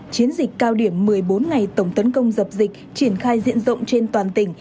chiến dịch cao điểm một mươi bốn ngày tổng tấn công dập dịch triển khai diện rộng trên toàn tỉnh